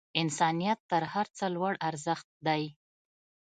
انسانیت تر هر څه لوړ ارزښت دی.